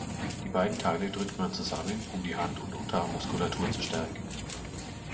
Die beiden Teile drückt man zusammen, um die Hand- und Unterarm-Muskulatur zu stärken.